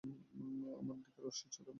আমার দিকে রশ্মি ছুড়ে মারো, ব্রো!